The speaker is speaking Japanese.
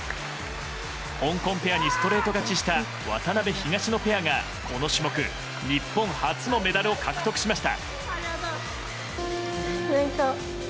香港ペアにストレート勝ちした渡辺、東野ペアがこの種目日本初のメダルを獲得しました。